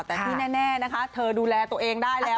แต่ที่แน่นะคะเธอดูแลตัวเองได้แล้ว